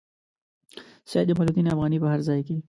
سید جمال الدین افغاني په هر ځای کې.